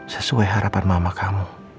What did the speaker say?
sesuai harapan mama kamu